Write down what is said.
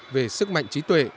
về sức mạnh trí tuệ